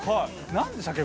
なんでしたっけ？